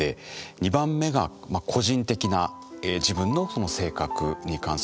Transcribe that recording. ２番目が個人的な自分のその性格に関するものだとか。